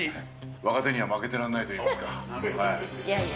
若手には負けてらんないといいやいや。